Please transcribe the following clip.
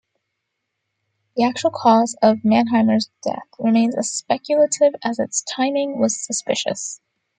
The actual cause of Mannheimer's death remains as speculative as its timing was suspicious.